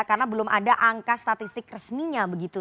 karena belum ada angka statistik resminya begitu